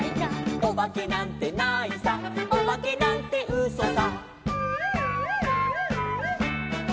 「おばけなんてないさおばけなんてうそさ」